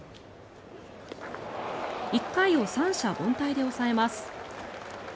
１回を三者凡退で抑えます。